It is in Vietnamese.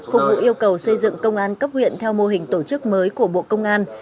phục vụ yêu cầu xây dựng công an cấp huyện theo mô hình tổ chức mới của bộ công an